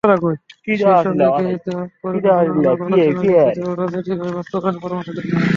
সেই সঙ্গে গৃহীত পরিকল্পনা আলাপ-আলোচনার ভিত্তিতে এবং রাজনৈতিকভাবে বাস্তবায়নের পরামর্শ দেন তাঁরা।